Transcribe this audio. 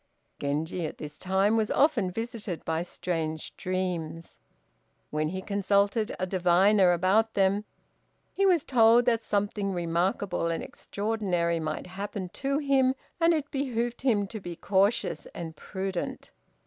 Genji at this time was often visited by strange dreams. When he consulted a diviner about them, he was told that something remarkable and extraordinary might happen to him, and that it behooved him to be cautious and prudent.